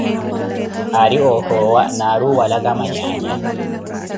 Aari woohowa na aari owalaka manyaanya.